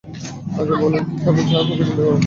আগে বলেন কি খাবেন, চা, কফি, ঠান্ডা গরম?